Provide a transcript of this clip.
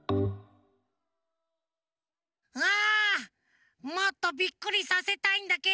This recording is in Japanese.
あもっとビックリさせたいんだけど。